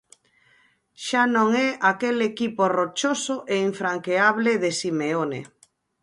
Xa non é aquel equipo rochoso e infranqueable de Simeone.